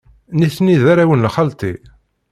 Nitni d arraw n xalti.